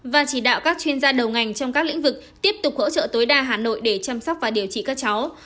và chỉ đạo các chuyên gia đầu ngành trong các lĩnh vực tiếp tục hỗ trợ tối đa hà nội để chăm sóc và điều trị các cháu